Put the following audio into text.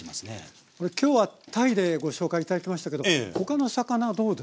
これ今日は鯛でご紹介頂きましたけど他の魚どうですか？